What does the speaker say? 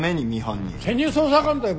潜入捜査官だよ